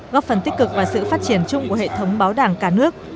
góp phần tích cực và sự phát triển chung của hệ thống báo đảng cả nước